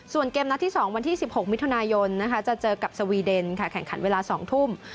ส่วนเกมนัดที่๒วันที่๑๖มิถุนายนจะเจอกับสวีเดนค่ะแข่งขันเวลา๒ทุ่ม